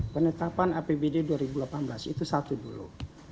penetapan apbd dua ribu delapan belas itu satu dulu